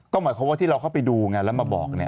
ก็หมายความว่าที่เราเข้าไปดูไงแล้วมาบอกเนี่ย